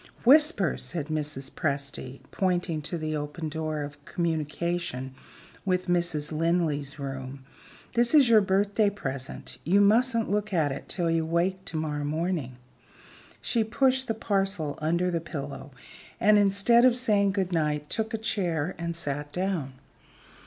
"Whisper!" said Mrs. Presty, pointing to the open door of communication with Mrs. Linley's room. "This is your birthday present. You mustn't look at it till you wake to morrow morning." She pushed the parcel under the pillow and, instead of saying good night, took a chair and sat down.